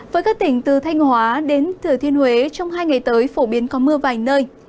với các tỉnh từ thanh hóa đến thừa thiên huế trong hai ngày tới phổ biến có mưa vài nơi